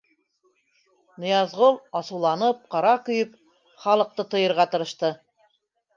Ныязғол, асыуланып, ҡара көйөп, халыҡты тыйырға тырышты: